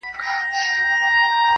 څه عجيبه غوندي حالت دى په يوه وجود کي .